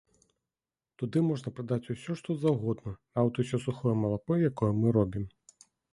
Туды можна прадаць усё што заўгодна, нават усё сухое малако, якое мы робім.